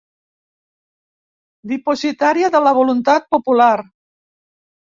Dipositària de la voluntat popular.